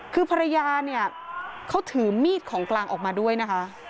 คือภรรยาเนี่ยเขาถือมีดของกลางออกมาด้วยนะคะ